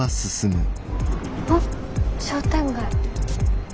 あ商店街。